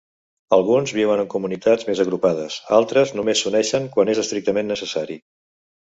Alguns viuen en comunitats més agrupades, altres només s'uneixen quan és estrictament necessari.